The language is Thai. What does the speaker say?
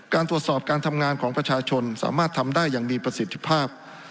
การตรวจสอบการทำงานของประชาชนสามารถทำได้อย่างมีประสิทธิภาพ